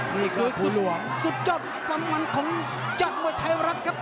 นี่คือสุดจอดความหวังของจัดมวยไทยรักครับ